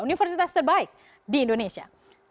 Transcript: universitas terbaik di indonesia